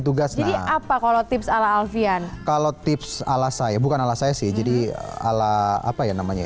tugasnya apa kalau tips ala alvian kalau tips ala saya bukan alasaya sih jadi ala apa ya namanya